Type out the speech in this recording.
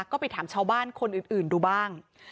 ก็ไปถามชาวบ้านคนอื่นดูบ้าง